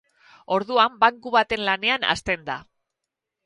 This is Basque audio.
Orduan, banku baten lanean hasten da.